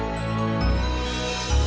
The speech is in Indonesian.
lha pearls saya basics sekali